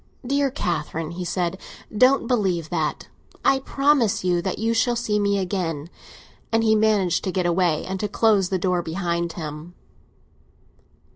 "Dear Catherine," he said, "don't believe that I promise you that you shall see me again!" And he managed to get away and to close the door behind him.